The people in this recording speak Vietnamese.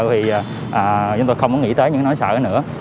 thì chúng tôi không có nghĩ tới những cái nỗi sợ nữa